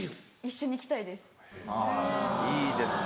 一緒に着たいです。